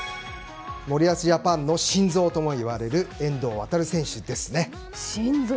森保ジャパンの心臓ともいわれる遠藤航選手ですね。